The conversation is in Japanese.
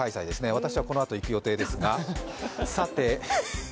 私はこのあと行く予定ですが。